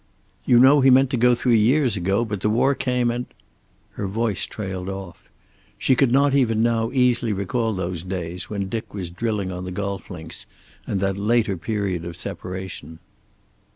"You know he meant to go three years ago, but the war came, and " Her voice trailed off. She could not even now easily recall those days when Dick was drilling on the golf links, and that later period of separation.